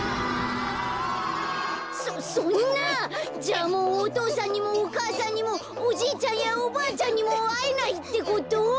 そそんなじゃあもうお父さんにもお母さんにもおじいちゃんやおばあちゃんにもあえないってこと？